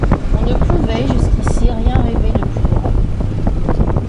On ne pouvait, jusqu'ici, rien rêver de plus grand.